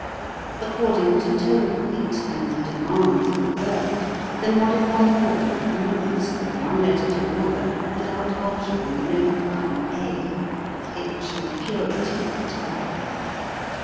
According to tone height and the demands of the word, the modified form moves from one letter to another without altering the note line a, the pitch and purity of the tone.